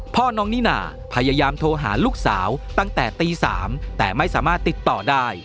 พ่อน้องนิน่าพยายามโทรหาลูกสาวตั้งแต่ตี๓แต่ไม่สามารถติดต่อได้